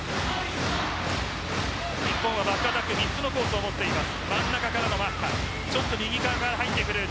日本はバックアタック３つのコースを持っています。